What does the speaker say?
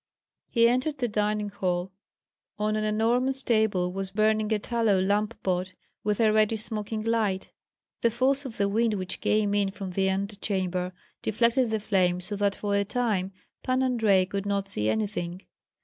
He entered the dining hall. On an enormous table was burning a tallow lamp pot with a reddish smoking light. The force of the wind which came in from the antechamber deflected the flame so that for a time Pan Andrei could not see anything.